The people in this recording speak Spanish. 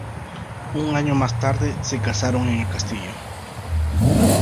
Un año más tarde, se casaron en el castillo.